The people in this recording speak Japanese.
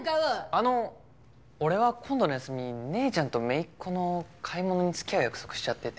あの俺は今度の休み姉ちゃんと姪っ子の買い物に付き合う約束しちゃってて。